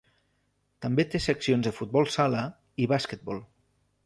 També té seccions de futbol sala i basquetbol.